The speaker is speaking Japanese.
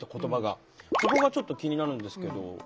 そこがちょっと気になるんですけど。